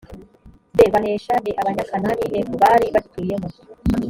d banesha e abanyakanani f bari bagituyemo